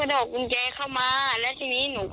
และทีนี้พอเขาเข้ามาหนูก็จะวิ่งหนีและทีนี้เขาถิ่นหนูหกล้ม